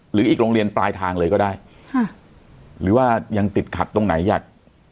หรืออีกโรงเรียนปลายทางเลยก็ได้ค่ะหรือว่ายังติดขัดตรงไหนอยาก